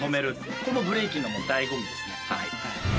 これもブレイキンのだいご味ですね。